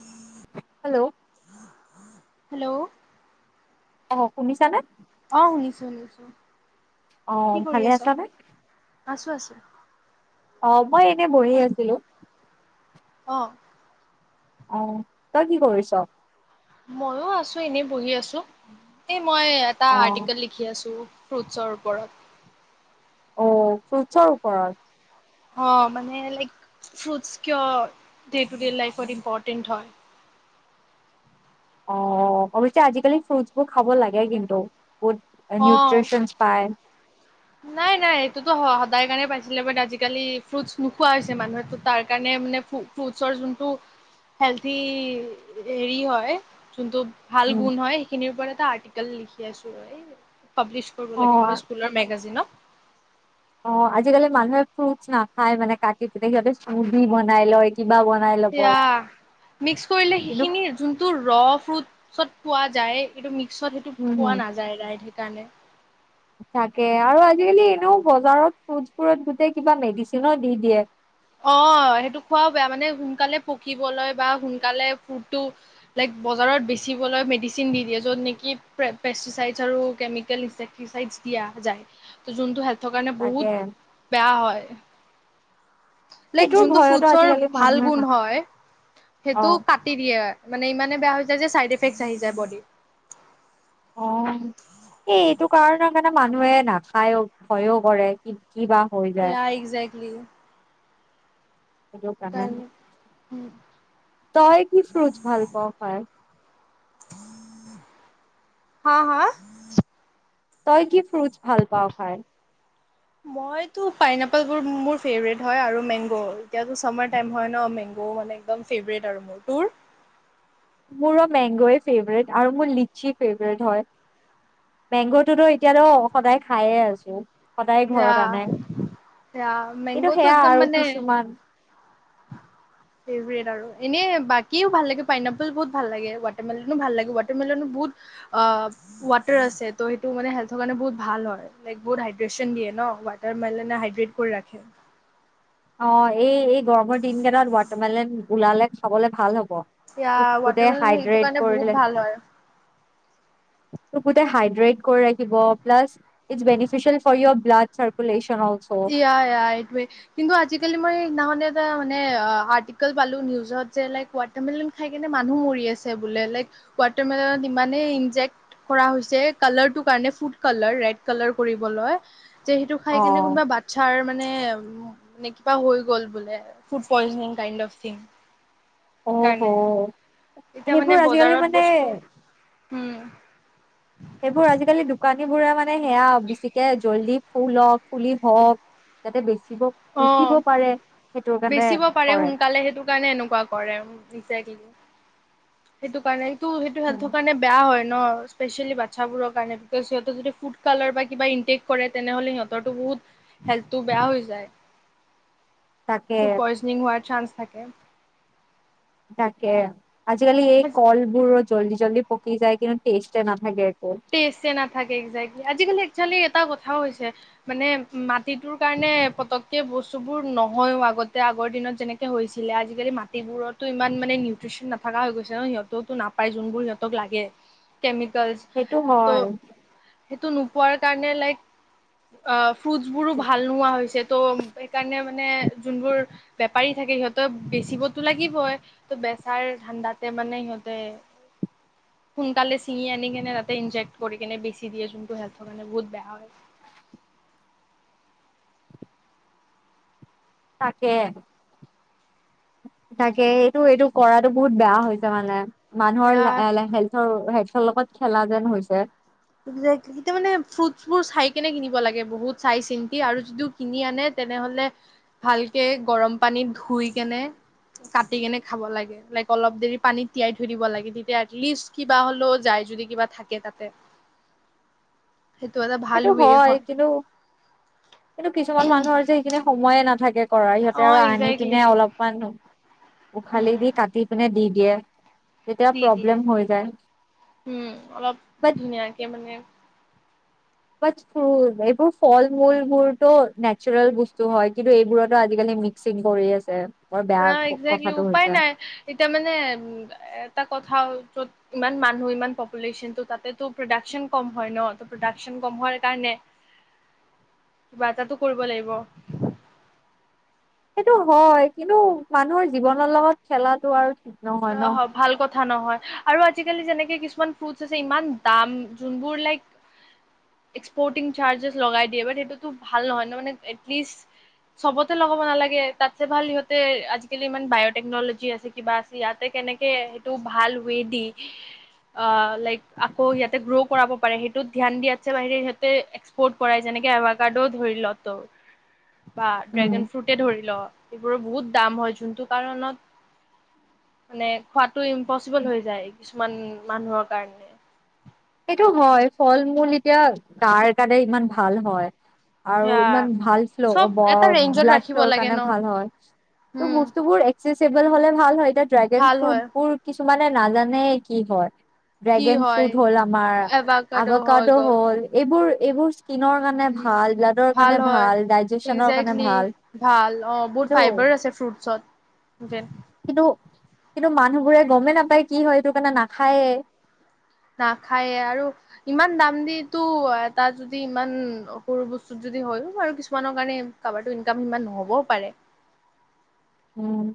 হয়। Hello hello অ শুনিছা নে? অ শুনিছো শুনিছো। অ ভালে আছা নে। আছোঁ আছোঁ। অ মই এনে বহি আছিলো। অহ অ তই কি কৰিছ। মইও আছো এনেই বহি আছো এ। মই এটা অ আৰ্টিকেল লিখি আছো। ফ্ৰুটছৰ ওপৰত? অ ফ্ৰুটছৰ ওপৰত। অ মানে লাইক ফ্ৰুটচ কিয় ডে টু ডে লাইফত ইম্পৰ্টেণ্ট হয়। অ অৱশ্যে আজিকালি ফ্ৰুটচ বোৰ খাব লাগে কিন্তু। ফ অ নউট্ৰিচন পাই। নাই নাই এইটোতো সদায় কাৰণে পাইছিলে বাট আজিকালি ফ্ৰুটছ নোখোৱা হৈছে মানুহটো তাৰ কাৰণে মানে ফ্ৰুটছৰ যোনটো হেল্থি হেৰি হয় যোনটো। ভাল উম গুণ হয় সেইখিনিৰ ওপৰত এটা আৰ্টিকেল লিখি আছো এই পাব্লিছ কৰিব অ লাগে মানে স্কুলৰ মেগাজিন দিনত অ আজিকালি মানুহে ফ্ৰুটচ নাখায় মানে কাটি পুট সিচে চুজ বনাই লয় কিবা বনাই ল'ব সেয়া মিক্স কৰিলে কিন্তু সেইখিনি যোনটো ৰ ফ্ৰুটত পোৱা যায় এইটো ম পিছত সেইটো উম হম পোৱা নাযায় ৰাইটো তানে তাকে আৰু আজিকালি এনেও বজাৰত ফ্ৰুজ ফোৰত গোটেই কিবা মেডিচিনো দি দিয়ে অ সেইটো খোৱাও বেয়া মানে সোনকালে পকিবলৈ বা সোনকালে ফুড বজাৰত বেচিবলৈ মেডিচিন দি দিয়ে যত নেকি‌ পেচেচাইজ আৰু কেমিকেল পেচেচাইজ দিয়া যায় থ কাৰণে তাকে বহুত বেয়া হয় লাইক সেইটোৰ যোনটো ভয়তো ফ্ৰুটচৰ আজিকালি ভাল মানুহে গুণ নাখায় হয় অ সেইটো কাটি দিয়ে মানে ইমানে বেয়া হৈ যায় যে চাইড এফেক্ট আহি যায় বডী আহ এটো কাৰণ কিছুমান মানুহে নাখায়ও ভয়ও কৰে কিন্তু কি বা হৈ যায় শ তই কি ফ্ৰুটছ ভাল পাওঁ খাই হা হা তই কি ফ্ৰুটছ ভাল পাওঁ খাই মইতো পাইনপল মোৰ ফেবেৰেট হয় আৰু মেংগ এতিয়াতো চামাৰ টাইম‌ হয় ন মেগটো একদম ফেবেৰেট আৰু তোৰ মোৰো মেংগয় ফেভৰেট আৰু মোৰ লিচি ফেভট হয় মেংগটোতো এতিয়াতো সদায় খায়ে আছো সদায় এ ঘৰত আনে। এ কিন্তু মেংগোটো সেয়া একদম আৰু মানে কিছুমান ফেভট আৰু এনে বাকীও ভাল লাগে পাইনপল বহুত ভাল লাগে ৱাটাৰমেলনো ভাল লাগে ৱাটাৰমেলনো বহুত ৱাটাৰ আছে ত' সেইটো মানে হেল্থৰ কাৰণে বহুত ভাল হয় লাই বহুত হাইড্ৰেচ দে ন ৱাৰ মেল হাইড্ৰেট কৰি ৰাখে অ এই এই গৰমৰ দিন কেইটাত ৱাটাৰমেলন ওলালে খাবলে ভাল হ'ব এতিয়া তোক গোটেই ৱাটাৰমেলন সেইটো হাইড্ৰেট কাৰণে কৰিলে বহুত ভাল হয় তোক গোটেই হাইড্ৰেট কৰি ৰাখিব plus it's beneficial for your blood circulation yeah, ইয়া, এইটোয়ে কিন্তু আজিকালি মই সেইদিনাখনে এটা মানে আৰ্টিকেল পালো নিউজত যে লাইক ৱাটাৰ মেলন খাই কিনে মানুহ মৰি আছে বোলে লাইক ৱাটাৰমেলনত ইমানেই ইনজেক্ট কৰা হৈছে কালাৰটো কাৰণে ফুড কালাৰ ৰেড কালাৰ কৰিবলৈ। যে সেইটো অ খাই কেনে কোনোবা তাৰ মানে নে কিবা হৈ গ'ল বোলে ফুড পইজনিং কাইন্দ অফ স্টিং। অহ সহ এতিয়া মানে সেইবোৰ আজিকালি বজাৰত মানে- বস্তু উম। সেইবোৰ আজিকালি দোকানী বোৰে মান মানে সেয়া বেছিকে জল্ডি ফুলক পুলি হওক যাতে বেছি। অ, কাৰণে বেচিব পাৰে কৰে সোনকালে সেইটো কাৰণে এনেকুৱা কৰে ইকজেকলি। সেইটো কাৰণেই। টো সেইটো হেল্থৰ কাৰণে বেয়া হয় ন। স্পেচিয়েলি বাচ্ছাবোৰৰ কাৰণে বিকজ সিহঁতেৰ যদি ফুড কালাৰ বা কিবা ইনটেক কৰে, তেনেহ'লে সিহঁতৰতো বহুত হেল্থটো বেয়া হৈ যায়। তাকে ফুড পইজিনিং হোৱাৰ চান্স। থাকে। তাকে। আজি কালি এই কলবোৰ জলদি- জল্দি পকি যায়, কিন্তু টেষ্টে নাথাকে। একো টেষ্টেচে নাথাকে একজেক্ট। আজিকালি একচুৱেলি এটা কথাও হৈছে মানে মাটিটোৰ কাৰণে পতককে বস্তু বোৰ নহয়ও আগতে আগৰ দিনত যেনেকে হৈছিলে, আজিকালি মাটিবোৰতো ইমান মানে নিউট্ৰিচন নাথাকা হৈ গৈছে ন সিহঁতে ওটো নাপায় যোনবোৰ সিহঁতক লাগে কেমিকেল। সেইটো হয়। সেইটো নোপোৱাৰ কাৰণে লাইক, অ ফ্ৰুটছবোৰো ভাল নোহোৱা হৈছে ত' সেইকাৰণে মানে যোনবোৰ বেপাৰী থাকে সিহঁতৰ বেচিবতো লাগিবই, ত বেচাৰ ধাণ্ডাতে মানে সিহঁতে সোনকালে ছিঙি আনি কেনে ৰাতি- এটা ইনজেক্ট কৰি কেনে বেছি দিয়ে যোনটো হেল্থৰ কাৰণে বহুত বেয়া হয়। তাকে, তাকে এইটো এইটো কৰা। বহুত বেয়া হৈছে মানে মানুহৰ হেল্থৰ হেল্থ। লগত খেলা যেন হৈছে। একজেক্টলি মানে ফ্ৰুটছবোৰ চাই কেনে কিনিব লাগে বহুত চাই চিন্তি আৰু যদিও কিনি আনে তেনেহ'লে ভালকে গৰম পানীত ধুই কেনে কাটি কেনে খাব লাগে, লাইক অলপ দেৰি পানীত তিয়াই থৈ দিব লাগে তেতিয়া এটলিষ্ট কিবা হ'লেও যায় যদি কিবা থাকে তাতে। সেইটো এটা ভাল সেইটো ৱে হয় কিন্তু, কিন্তু কিছুমান মানুহৰ যে সেইখিনি সময়ে নাথাকে। কৰে সিহঁতে অঁ আৰু আনি পিনে একজেক্টলি। অলপমান উখালি উম দি কাটি পিনে দি- দিয়ে। তেতিয়া দি দিয়ে প্ৰব্লেম হৈ যায় উম অলপ বাট ধুনীয়াকে মানে। বাট ফু এইবোৰ ফল মূলবোৰতো নেচাৰেল বস্তু হয় কিন্তু এইবোৰতো আজিকালি মিক্সিং কৰি আছে। বৰ অ বেয়া একজেক্টলি কথাটো উপায় হৈছে নাই এতিয়া মানে এ এটা কথা হ'ল। ত'ত ইমান মানুহ ইমান পপুলেশ্বনটো তাতে প্ৰডাকচন কম হয় ন ত প্ৰডাকচন কম হোৱাৰ কাৰণে কিবা এটাটো কৰিব লাগিব। সেইটো হয় কিন্তু মানুহৰ জীৱনৰ লগত খেলাটো আৰু নহয় ন অ ভাল কথা নহয় আৰু আজিকালি যেনেকে কিছুমান ফ্ৰুট আছে, ইমান দাম যোনবোৰ লাইক এক্সপৰ্টিং চাৰ্জছ লগাই দিয়ে সেইটোতো ভাল নহয় ন, এটলিষ্ট চবতে লগাব নালাগে, তাত ভাল সিহঁতে আজিকালি ইমান বায়টেকনলজি আছে কিবা, আছে ইয়াতে কেনেকে সেইটো ভাল ৱে দি অ লাইক আকৌ ইয়াতে গ্ৰ' কৰাব পাৰে, সেইটোত ধ্যান দিয়াতছে বাহিৰে সিহঁতে এক্সপৰ্ট কৰাই যেনেকে এভাৰ কাৰ্ডও ধৰি ল ত বা উম ড্ৰেগন ফ্ৰুটে ধৰি ল এইবোৰৰ বহুত দাম হয়, যোনটো কাৰণত মানে খোৱাটো ইমপচিবল হৈ যায়, কিছুমান মানুহৰ কাৰণে সেইটো হয়, ফল মূল এতিয়া গাৰ কাৰনে ইমান ভাল হয়। আৰু এয়া ইমান ভাল ফ্ল', চব এটা ৰেঞ্জত ব্লাড ৰাখিব ফ্ল'ৰ লাগে কাৰণে ন ভাল হয় ত উম বস্তুবোৰ, চেছিবোল হলে ভাল হয়। [unintelligible] এই ড্ৰেগন ভাল হয় ফ্ৰুটবোৰ কিছু মানে নাজানে কি হয় কি ড্ৰেগন হয় ফ্ৰুট হল এভাকাডো হৈ আভাকডো গ'ল হ'ল এই এইবোৰ -এইবোৰ স্কিনৰ কাৰণে উম ভাল, ব্লাডৰ কাৰণে ভাল, ডাইজেচনৰ কাৰণে একজেক্টলি ভাল, ভাল অ বহুত কিন্তু, ফাইবাৰ আছে ফ্ৰুটছত যেন কিন্তু কিন্তু মানুহবোৰে গমেই নাপায়, কি হয় এইটো কাৰণে নাখায়েই। নাখায়ে, আৰু ইমান দাম দি তো এটা যদি ইমান সৰু বস্তুত যদি হয়ও আৰু কিছুমানৰ কাৰণে কাবাৰ তো ইনকাম সিমান নহ'বও পাৰে। উম,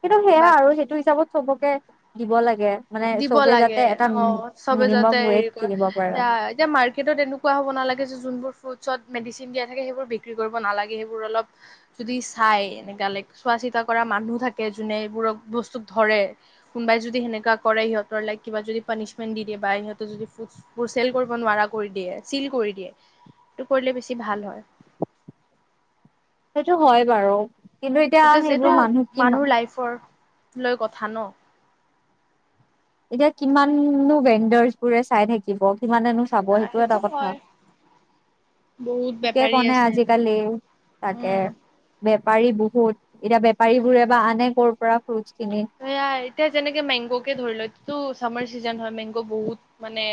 কিন্তু সেয়া আৰু বাকী সেইটো হিচাপত চবকে দিব লাগে। মানে দিব চবে লাগে যাতে এটা অ চবে মিনিমাম যাতে, ৱেইট হেৰি কৰে কিনিব পাৰা এতিয়া মাৰ্কেটত এনেকুৱা হ'ব নালাগে, যে যোনবোৰ ফ্ৰুট চত মেডিচিন দিয়া থাকে, সেইবোৰ বিক্ৰী কৰিব নালাগে, সেইবোৰ অলপ যি চাই এনেকুৱা লাইক চোৱা চিতা কৰা মানুহ থাকে, যোনে এইবোৰক বস্তুক ধৰে কোনোবাই যদি সেনেকুৱা কৰে সিহঁতৰ লাইক কিবা যদি পানিচমেন্ট দি দিয়ে বা সিহঁতে যদি ফ্ৰুট বোৰ চেল কৰিব নোৱাৰা কৰি দিয়ে, চিল কৰি দিয়ে, হেতু কৰিলে বেছি ভাল হয়। সেইটো হয় বাৰু কিন্তু এতিয়া বিকছ, সেইবোৰ এইটো মানুহ কিমা মানুহৰ লাইফৰ লৈ কথা ন এতিয়া, কিমাননো ভেণ্ডাৰছ বোৰে চাই থাকিব। কিমানেনো চাব সেইটো এটা কথা, বহুত চুকে- বেপাৰী কুণে আছে ইয়াতে আজিকালি তাকে উম বেপাৰী বহুত, এতিয়া, বেপাৰী বোৰে বা আনে কৰ' পৰা? ফ্ৰুটছ সেয়াই, এতিয়া যেনেকে মেংগ কে ধৰি লৈ ত চামাৰ চিজন হয়, মেংগ' বহুত মানে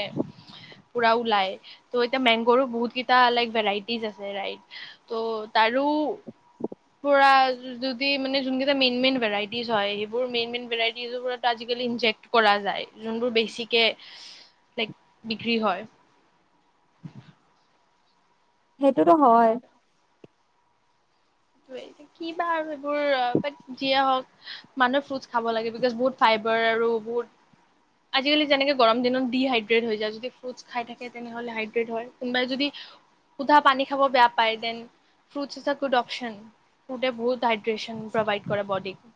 পুৰা ওলাই, ত' এতিয়া মেংগৰো বহুত কেইটা লাইক ভেৰাইটিজ আছে ৰাইট, ত' তাৰো পুৰা যদি মানে, যোন কেইটা মেইন, মেইন ভেৰাইটিজ হয়, মেইন, মেইন ভেৰাইটিজ বোৰত আজিকালি ইনজেক্ট কৰা যায়, যোনবোৰ বেছিকে লাইক বিক্ৰী হয়। [unintelligible] সেইটোতো হয়। সেইটোয়ে, এতিয়া কিবা আৰু এইবোৰে যিয়ে হক মানুহে ফ্ৰুট খাব লাগে, বিকজ বহু ফাইবাৰ আৰু বহুত, আজিকালি যেনেকে গৰম দিনত ডিহাইড্ৰট হৈ যায়, যদি ফুটচ খাই থাকে, তেনেহলে হাইডেট হয়, কোনবাই যদি সুধা পানী খাব বেয়া পায় দেন ফুচট ফুদে হাইড্ৰেচন প্ৰভাইড কৰে বডিত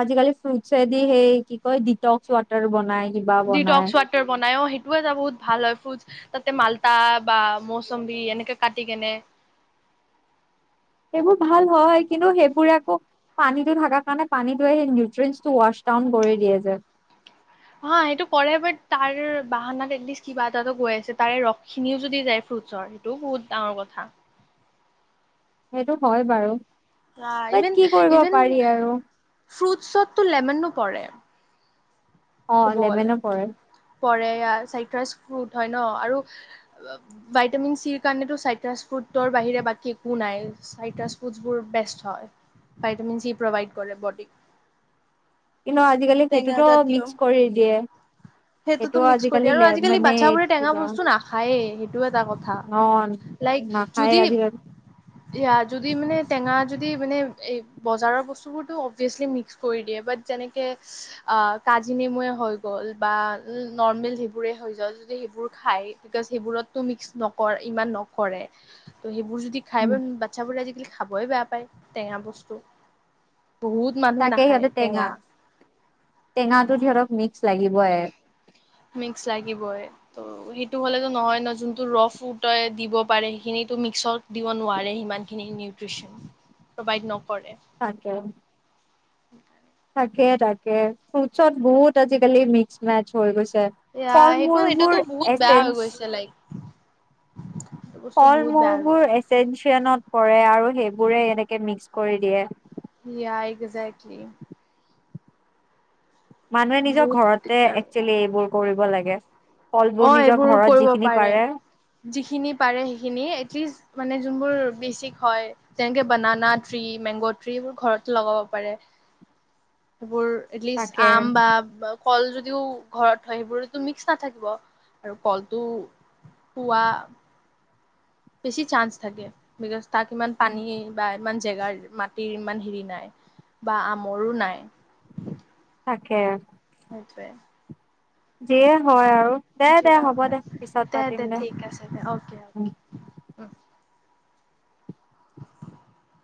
আজিকালি ফ্ৰুটছদি হেই কি কয়, ডিটকস ৱাটাৰ বনাই। কিবা বনাই ডিটকছ ওৱাটাৰ বনাই ও সেই টোযে বহুত ভাল হয় ফ্ৰুজ তাতে মালতা বা মৌচম্বী এনেকে কাটি কেনে। সেইবোৰ ভাল হয় কিন্তু সেইবোৰে আকৌ পানীটো থাকাৰ কাৰণে পানীটোৱে সেই নিউট্ৰটো ৱাছ ডাউন কৰি দিয়ে যে। অ সেইটো কৰে বাট, তাৰ বাহানাত এটলিষ্ট কিবা এটা গৈ আছে তাৰে ৰসখিনিও যদি যায় ফ্ৰুটছৰ সেইটোও বহুত ডাঙৰ কথা। সেইটো হয় বাৰু আহ বাট ইভন কি কৰিব ইভেন পাৰি আৰু ফ্ৰুটছত তো লেমেনো পৰে অ ক'ব গ'লে লেভেনো পৰে পৰে চাইট্ৰাছ ফ্ৰুট হয় ন আৰু ভাইটামিন চিৰ কাৰণো চাইট্ৰাছ ফ্ৰুটৰ বাহিৰে বাকী একো নাই চাইট্ৰাছ ফ্ৰুটছবোৰ বেষ্ট হয় ভাইটামিন চি প্ৰভাইড কৰে বডিক। কিন্তু আজিকালি টেঙা সেইটোতো জাতীয় মিক্স কৰি দিয়ে সেইটো সেইটোতো মিক্স কৰি আজিকালি দিয়ে আৰু আজিকালি মানে বাচ্ছাবোৰে টেঙা কিবা বস্তু নাখায়েই সেইটো এটা কথা ন নাখায় আজিকালি য়া যদি মানে টেঙা যদি মানে এই বজাৰৰ বস্তুবোৰতো অভিয়াচলি মিক্স কৰি দিয়ে বাট যেনেকে। কাজি নেমুৱে হৈ গ'ল বা নৰ্মেল সেইবোৰে হৈ গল যদি সেইবোৰ খাই বিকোজ সেইবোৰতো মিক্স নক ইমান নকৰে ত। সেই বোৰ যদি খাই বাচ্ছাবোৰে আজিকালি খা বই বেয়া পায় টেঙা বস্তু। বহুত মানুহে নাখায় টেঙা। টেঙাটো সিহতক মিস্ক লাগে। লাগিবই মিস্ক লাগিবই ত সেইটো হলে নহয় যোনটো ৰ ফুট দিব পাৰে সেইখিন মিক্সত দিব নোৱাৰে সমান খিনি নিওট্ৰিচন। তাকে [unintelligible] তাকে তাকে ফুটছত বহুত আজিকালি মিক্স মেচ হৈ গৈছে। এয়া ফল সেইটো মূলবোৰ সেইটোতো বহুত বেয়া হৈ এচেঞ্চ গৈছে লাইক এইটো বস্তু ফল বহুত বেয়া হৈ গৈছে। মূৰবোৰ এচচিয়নত পৰে আৰু সেই বোৰে এনেকে মিক্স কৰি দিয়ে। য়া একগ্জেক্টলি। মানুহে নিজৰ বহুত ঘৰতে দিগদাৰ। একচুৱেলি এইবোৰ কৰিব লাগে। গে অ এইবোৰ কৰিব পাৰে যিখিনি পাৰে সেইখিনি এটলিষ্ট মানে যোনবোৰ। বেছিক হয় যেনেকে বনানা ট্ৰি, মেংগো ট্ৰি এইবোৰ ঘৰত লগাব পাৰে। এইবোৰ এলিষ্ট তাকে আম বা ফল যদিও ঘৰত হয় সেইবোৰতো মিক্স নাথাকিব। আৰু কলটো পোৱা। বেছি চান্স থাকে। তাক ইমান পানী বা ইমান জেগাৰ, মাটিৰ ইমান হেৰি নাই বা আমৰো নাই। তাকে সেইটোৱে যিয়ে হয় আৰু দে দে হ'ব দে পিছত দে পাতিম দে ঠিক আছে দে অকে অকে